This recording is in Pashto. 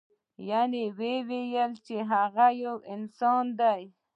یعنې ووایو چې هغه یو انسان دی.